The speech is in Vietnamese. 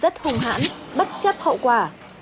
rất hùng hãn bất chấp hậu quả